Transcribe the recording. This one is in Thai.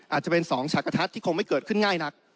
อาจจะเป็น๒ฉากกระทัดที่คงไม่เกิดขึ้นง่ายนัก